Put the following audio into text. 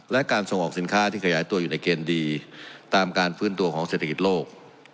และการส่งออกสินค้าที่ขยายตัวอยู่ในเกณฑ์ดีตามการฟื้นตัวของเศรษฐกิจโลก